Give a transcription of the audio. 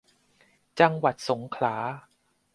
จังหวัดสงขลา